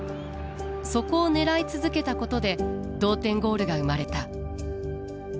そこを狙い続けたことで同点ゴールが生まれた。